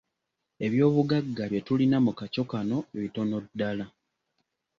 Ebyobugagga bye tulina mu kaco kano bitono ddala.